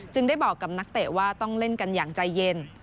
ได้บอกกับนักเตะว่าต้องเล่นกันอย่างใจเย็น